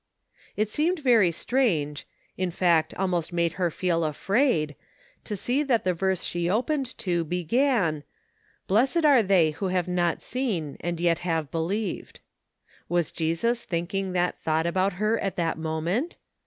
It seemed very strange, in fact almost made 260 MACHINES AND NEWS, her feel afraid, to see that the verse she opened to began: "Blessed are they who have not seen, and yet have believed. Was Jesus thinking that thought about hei at that moment?